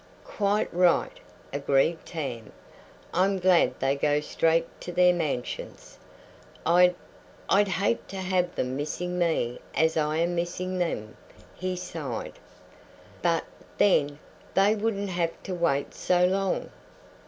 "Quite right," agreed Tam. "I'm glad they go straight to their mansions. I'd I'd hate to have them missing me as I am missing them." He sighed. "But, then, they wouldn't have to wait so long."